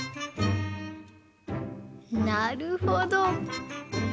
なるほど。